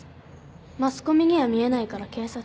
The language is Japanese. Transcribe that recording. マスコミには見えないから警察。